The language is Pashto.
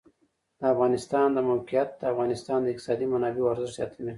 د افغانستان د موقعیت د افغانستان د اقتصادي منابعو ارزښت زیاتوي.